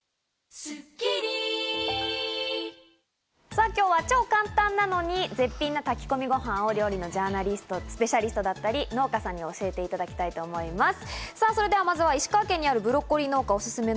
さあ、今日は超簡単なのに絶品な炊き込みご飯を、料理のスペシャリストだったり、農家さんに教えていただきたいと思います。